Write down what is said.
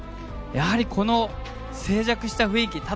やはりこの静寂した雰囲気。